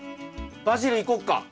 バジルいこうか。